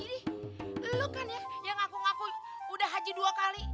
ini lu kan ya ngaku ngaku udah haji dua kali